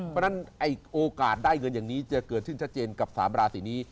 เพราะฉะนั้นโอกาสได้เงินอย่างนี้จะเกิดขึ้นชัดเจนกับ๓ราศีนี้